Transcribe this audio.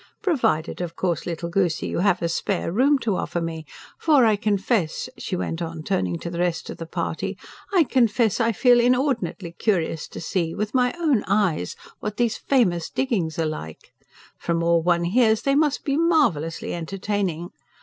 "Provided, of course, little goosey, you have a SPARE ROOM to offer me. For, I confess," she went on, turning to the rest of the party, "I confess I feel inordinately curious to see, with my own eyes, what these famous diggings are like. From all one hears, they must be MARVELLOUSLY entertaining.